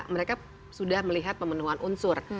mereka sudah melihat pemenuhan unsur